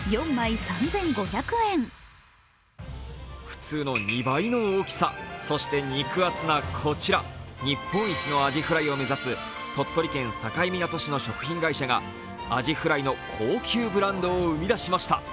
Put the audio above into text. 普通の２倍の大きさ、そして肉厚なこちら日本一のあじフライを目指す鳥取県境港市の食品会社があじフライの高級ブランドを生み出しました。